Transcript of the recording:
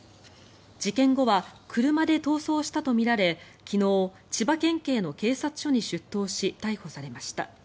事件後は車で逃走したとみられ昨日、千葉県警の警察署に出頭し逮捕されました。